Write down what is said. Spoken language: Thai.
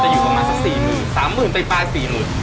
แต่อยู่ประมาณสัก๔หมื่น๓หมื่นโยนไว้ต่อส่าง๔๐หมื่น